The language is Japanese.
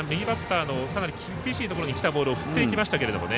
かなり厳しいところにきたボールを振っていきましたけど。